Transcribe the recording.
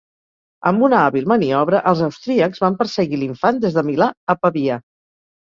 Amb una hàbil maniobra, els austríacs van perseguir l'infant des de Milà a Pavia.